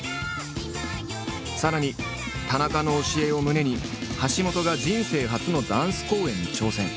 さらに田中の教えを胸に橋本が人生初のダンス公演に挑戦。